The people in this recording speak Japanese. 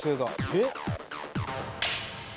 えっ？